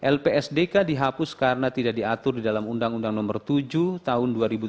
lpsdk dihapus karena tidak diatur di dalam undang undang nomor tujuh tahun dua ribu tujuh belas